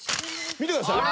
見てください。